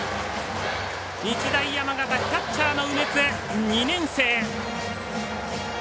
日大山形、キャッチャーの梅津２年生。